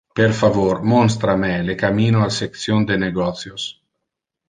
Per favor monstra me le cammino al section de negotios.